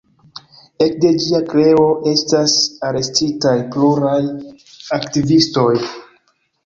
Ekde ĝia kreo estas arestitaj pluraj aktivistoj.